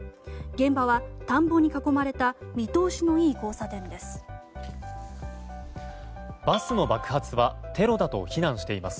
現場は、田んぼに囲まれた見通しのいい交差点です。